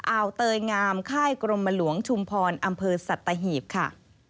เตยงามค่ายกรมหลวงชุมพรอำเภอสัตหีบค่ะ